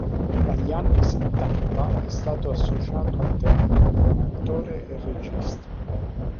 Dagli anni settanta è stato associato al teatro come attore e regista.